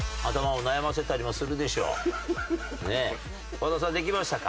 和田さんできましたか？